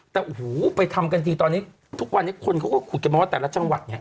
แต่โอ้โหไปทำกันทีตอนนี้ทุกวันนี้คนเขาก็ขุดกันมาว่าแต่ละจังหวัดเนี่ย